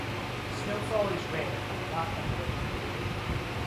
Snowfall is rare but not unheard of.